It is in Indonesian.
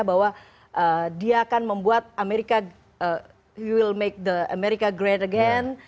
bahwa dia akan membuat amerika will make the america great again